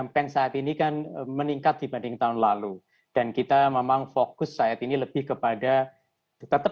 pen saat ini kan meningkat dibanding tahun lalu dan kita memang fokus saat ini lebih kepada tetap